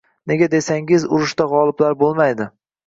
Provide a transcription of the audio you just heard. Nega desangiz, urushda g`oliblar bo`lmaydi